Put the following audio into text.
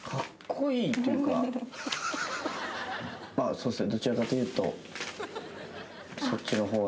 そうっすね